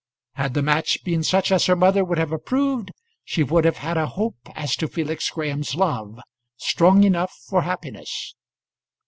Had the match been such as her mother would have approved, she would have had a hope as to Felix Graham's love strong enough for happiness.